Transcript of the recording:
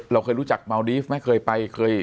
เราเคยรู้จักเมาดีฟไม่เคยไปเคย